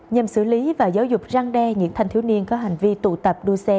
nhằm xử lý và giáo dục răng đe những thanh thiếu niên có hành vi tụ tập đua xe